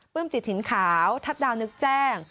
เปลื้มจิตถิ่นขาวทัดดาวนึกแจ้ง